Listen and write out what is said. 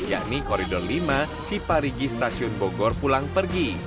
yakni koridor lima ciparigi stasiun bogor pulang pergi